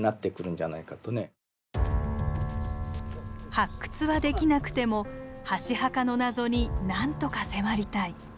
発掘はできなくても箸墓の謎に何とか迫りたい。